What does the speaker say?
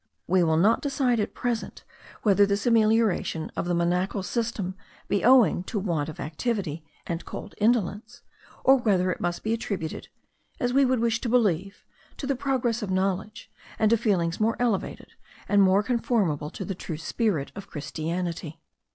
We will not decide at present, whether this amelioration of the monachal system be owing to want of activity and cold indolence; or whether it must be attributed, as we would wish to believe, to the progress of knowledge, and to feelings more elevated, and more conformable to the true spirit of Christianity.